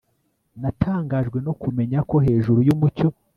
Natangajwe no kumenya ko hejuru yumucyo